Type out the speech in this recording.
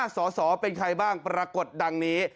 สอสอเป็นใครบ้างปรากฏดังนี้